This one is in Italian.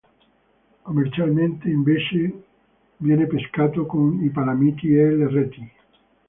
Commercialmente, invece, viene pescato con i palamiti e le reti.